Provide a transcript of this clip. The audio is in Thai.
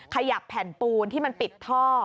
ขยับแผ่นปูนที่มันปิดท่อ